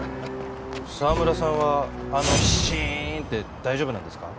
澤村さんはあの「シーン」って大丈夫なんですか？